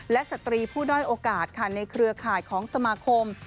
และสตรีผู้ด้อยโอกาสค่ะในเครือข่ายของสมาคม